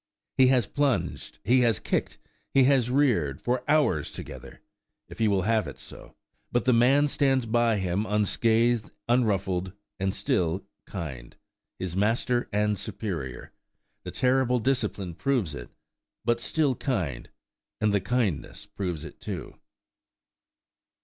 He has plunged, he has kicked, he has reared, for hours together, if he will have it so; but the man stands by him unscathed, unruffled, and still kind:–his master and superior–the terrible discipline proves it; but still kind–and the kindness proves it too.